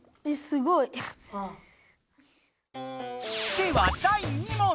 では第２問。